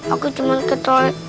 aku cuma ketolong